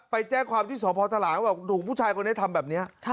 ไปแจ้งความที่สมภาษณ์ถลังว่าถูกผู้ชายคนนี้ทำแบบนี้